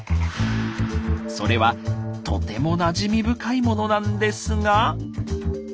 それはとてもなじみ深いものなんですが。